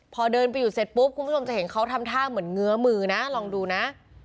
พอเดินไปอยู่เสร็จปุ๊บคุณผู้ชมจะเห็นเขาทำท่าเหมือนเงื้อมือนะลองดูนะ